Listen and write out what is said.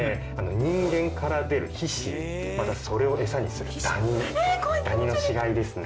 人間から出る皮脂またそれを餌にするダニダニの死骸ですね。